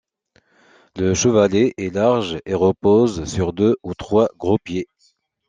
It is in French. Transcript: Le chevalet est large et repose sur deux ou trois gros pieds.